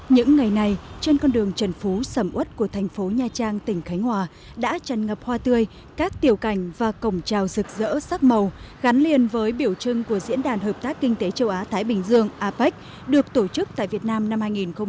những ngày này trên con đường trần phú sầm út của thành phố nha trang tỉnh khánh hòa đã tràn ngập hoa tươi các tiểu cảnh và cổng trào rực rỡ sắc màu gắn liền với biểu trưng của diễn đàn hợp tác kinh tế châu á thái bình dương apec được tổ chức tại việt nam năm hai nghìn một mươi tám